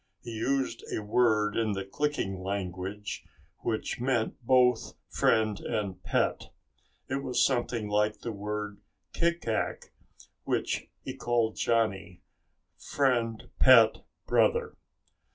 He used a word in the clicking language which meant both friend and pet. It was something like the word "kikac," which he called Johnny "friend pet brother."